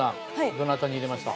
どなたに入れました？